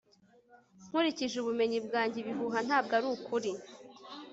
nkurikije ubumenyi bwanjye, ibihuha ntabwo arukuri